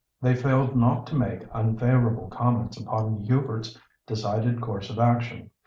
They failed not to make unfavourable comments upon Hubert's decided course of action.